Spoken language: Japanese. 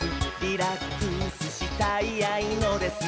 「リラックスしたいあいのです」